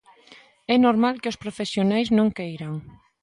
É normal que os profesionais non queiran.